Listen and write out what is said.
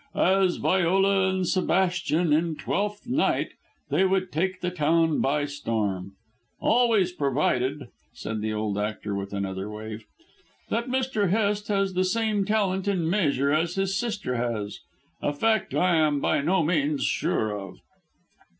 As Viola and Sebastian in 'Twelfth Night,' they would take the town by storm. Always provided," said the old actor with another wave, "that Mr. Hest has the same talent in measure as his sister has: a fact I am by no means sure of."